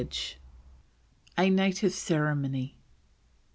A NATIVE CEREMONY.